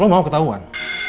lo mau ketahuan